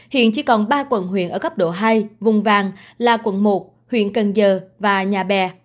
hiện chỉ còn ba quận huyện ở cấp độ hai vùng vàng là quận một huyện cần giờ và nhà bè